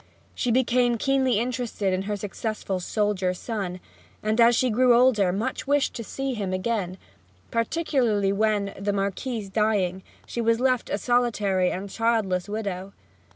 She became keenly interested in her successful soldier son; and as she grew older much wished to see him again, particularly when, the Marquis dying, she was left a solitary and childless widow.